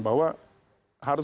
bahwa harus satu garis